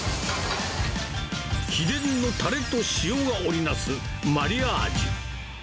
秘伝のたれと塩が織りなすマリアージュ。